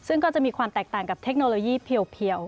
ซึ่งก็จะมีความแตกต่างกับเทคโนโลยีเพียว